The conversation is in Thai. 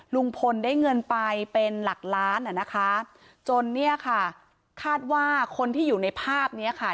ลุงพลได้เงินไปเป็นหลักล้านอ่ะนะคะจนเนี่ยค่ะคาดว่าคนที่อยู่ในภาพเนี้ยค่ะ